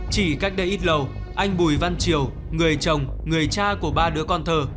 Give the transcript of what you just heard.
chỉ cách đây ít lâu anh bùi văn triều người chồng người cha của ba đứa con thơ